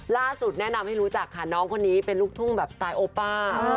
แนะนำให้รู้จักค่ะน้องคนนี้เป็นลูกทุ่งแบบสไตล์โอป้า